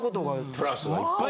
プラスがいっぱい。